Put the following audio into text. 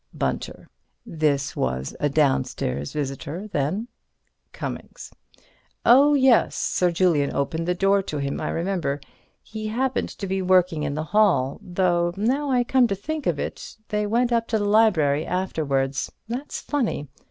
Bunter: This was a downstairs visitor, then? Cummings: Oh, yes. Sir Julian opened the door to him, I remember. He happened to be working in the hall. Though now I come to think of it, they went up to the library afterwards. That's funny.